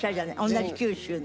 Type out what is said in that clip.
同じ九州の。